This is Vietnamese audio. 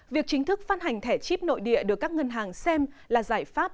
việc chính thức phát hành thẻ chip nội địa được các ngân hàng xem là giải pháp